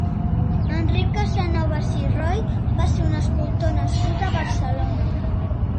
Enric Casanovas i Roy va ser un escultor nascut a Barcelona.